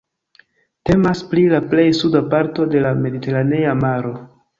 Temas pri la plej suda parto de la Mediteranea Maro.